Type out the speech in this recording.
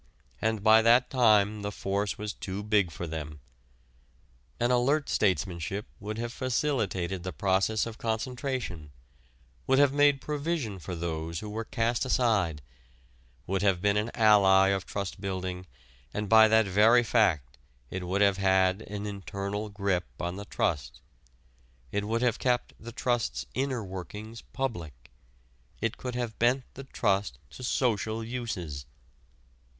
And by that time the force was too big for them. An alert statesmanship would have facilitated the process of concentration; would have made provision for those who were cast aside; would have been an ally of trust building, and by that very fact it would have had an internal grip on the trust it would have kept the trust's inner workings public; it could have bent the trust to social uses.